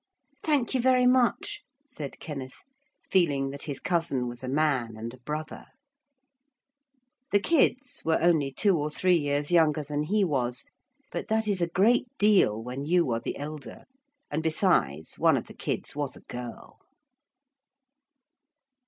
'Thank you very much,' said Kenneth, feeling that his cousin was a man and a brother. The kids were only two or three years younger than he was, but that is a great deal when you are the elder; and besides, one of the kids was a girl.